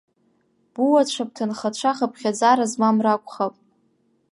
Буацәа, бҭынхацәа, хыԥхьаӡара змам ракәхап.